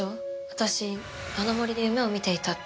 私あの森で夢を見ていたって。